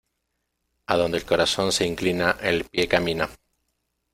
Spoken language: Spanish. Adonde el corazón se inclina, el pie camina.